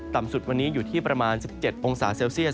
ต่ำสุดวันนี้อยู่ที่ประมาณ๑๗องศาเซลเซียส